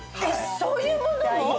そういうものも？